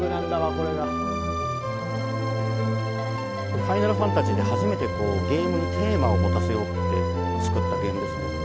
これ「ファイナルファンタジー」で初めてゲームにテーマを持たせようって作ったゲームですね。